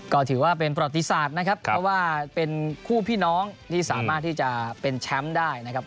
ก็ถือว่าเป็นประวัติศาสตร์นะครับเพราะว่าเป็นคู่พี่น้องที่สามารถที่จะเป็นแชมป์ได้นะครับ